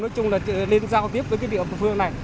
nói chung là lên giao tiếp với cái địa phương này